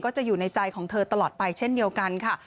จะอยู่ในใจของเธอตลอดไปเช่นเดียวกันค่ะ